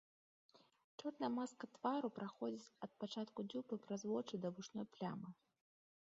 Чорная маска твару праходзіць ад пачатку дзюбы праз вочы да вушной плямы.